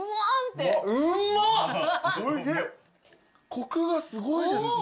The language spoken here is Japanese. コクがすごいですね。